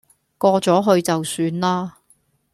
過咗去就算啦